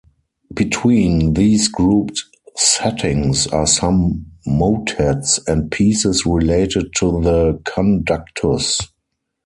Between these grouped settings are some motets and pieces related to the conductus.